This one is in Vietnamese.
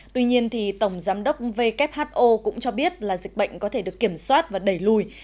tuy nhiên tổng giám đốc who cũng cho biết là dịch bệnh có thể được kiểm soát và đẩy lùi